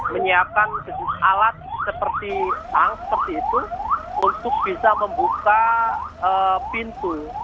menyiapkan alat seperti tang seperti itu untuk bisa membuka pintu